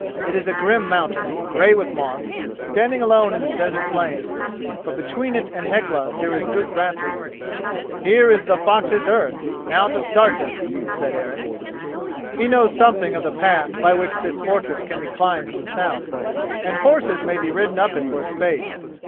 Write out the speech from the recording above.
It is a grim mountain, grey with moss, standing alone in the desert plain; but between it and Hecla there is good grassland. "Here is the fox's earth. Now to start him," said Eric. He knows something of the path by which this fortress can be climbed from the south, and horses may be ridden up it for a space.